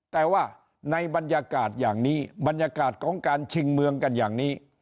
แต่ว่าในบรรยากาศอย่างนี้บรรยากาศของการชิงเมืองกันอย่างนี้